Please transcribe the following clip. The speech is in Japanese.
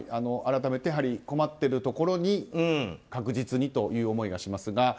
改めて、困っているところに確実にという思いがしますが。